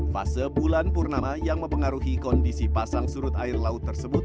fase bulan purnama yang mempengaruhi kondisi pasang surut air laut tersebut